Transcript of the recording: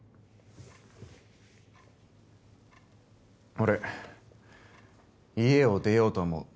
俺家を出ようと思う。